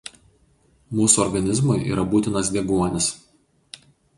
Mūsų organizmui yra būtinas deguonis.